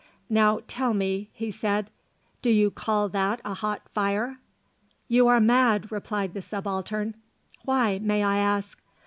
"Now tell me," he said, "do you call that a hot fire?" "You are mad," replied the Subaltern. "Why, may I ask?"